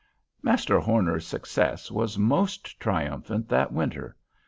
Master Horner's success was most triumphant that winter.